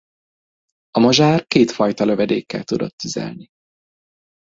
A mozsár kétfajta lövedékkel tudott tüzelni.